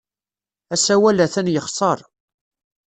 Asawal atan yexṣer.